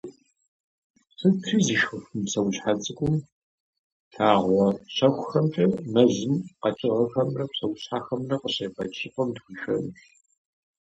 Сытри зышхыф мы псэущхьэ цӏыкӏум лъагъуэ щэхухэмкӏэ мэзым къэкӏыгъэхэмрэ псэущхьэхэмрэ къыщебэкӏ щӏыпӏэм дыхуишэнущ.